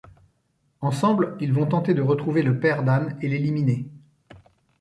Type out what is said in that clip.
Ensemble, ils vont tenter de retrouver le père d'Anne et l'éliminer.